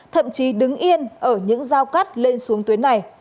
thậm chí đứng yên ở những giao cắt lên xuống tuyến này